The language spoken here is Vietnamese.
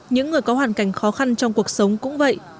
những người có hoàn cảnh khó khăn trong cuộc sống cũng vậy